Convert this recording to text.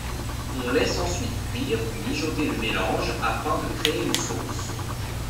On laisse ensuite cuire ou mijoter le mélange afin de créer une sauce.